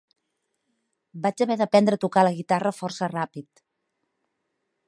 "Vaig haver d'aprendre a tocar la guitarra força ràpid".